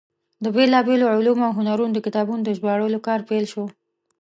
د بېلابېلو علومو او هنرونو د کتابونو د ژباړلو کار پیل شو.